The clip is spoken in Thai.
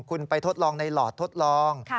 คุณไปทดลองในหลอดทดลอง